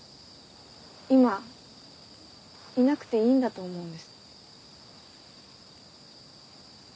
今いなくていいんだと思うんです。